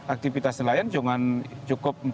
aktivitas nelayan cuman cukup